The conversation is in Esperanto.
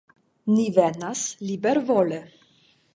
Ni venas libervole.